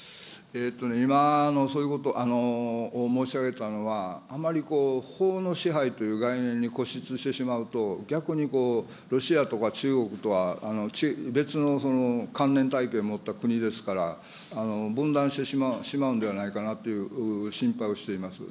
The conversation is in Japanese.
今、そういうこと、申し上げたのは、あまりこう、法の支配という概念に固執してしまうと、逆にロシアとか中国とは別の関連体系を持った国ですから、分断してしまうのではないかなという心配をしています。